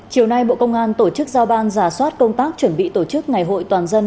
chiều nay bộ công an tổ chức giao ban giả soát công tác chuẩn bị tổ chức ngày hội toàn dân